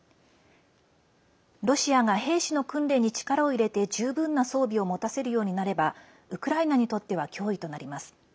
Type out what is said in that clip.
ロシアが兵士の訓練に力を入れて十分な装備を持たせるようになればウクライナにとっては脅威となります。